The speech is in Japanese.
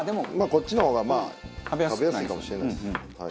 こっちの方がまあ食べやすいかもしれないです。